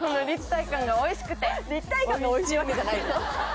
立体感がおいしいわけじゃない。